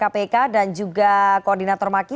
kpk dan juga koordinator maki